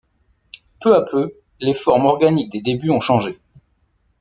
Peu à peu les formes organiques des débuts ont changé.